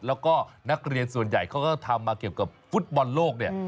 แล้วก็นักเรียนส่วนใหญ่เขาก็ทำมาเกี่ยวกับฟุตบอลโลกเนี่ย